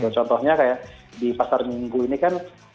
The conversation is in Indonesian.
contohnya kayak di pasar minggu ini kan